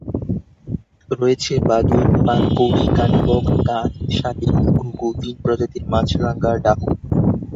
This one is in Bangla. রয়েছে বাদুর, পানকৌড়ি, কানিবক, কাক, শালিক, ঘুঘু, তিন প্রজাতির মাছরাঙা, ডাহুক।